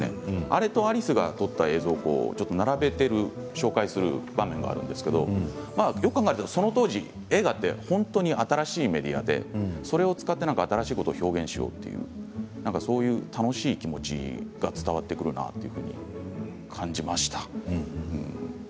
あれとアリスが撮った映像をちょっと並べて紹介する場面があるんですけれどよく考えたらその当時映画って本当に新しいメディアでそれを使って新しいことを表現しようという何かそういう楽しい気持ちが伝わってくるなという感じました。